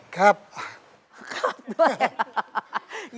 ครับด้วย